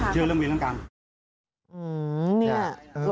เชื่อเรื่องเวรกรรม